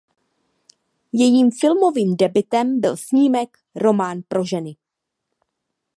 Jejím filmovým debutem byl snímek "Román pro ženy".